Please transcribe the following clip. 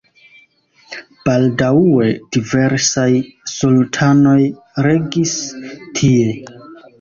Baldaŭe diversaj sultanoj regis tie.